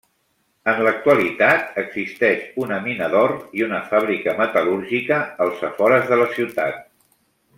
En l'actualitat existeix una mina d'or i una fàbrica metal·lúrgica als afores de la ciutat.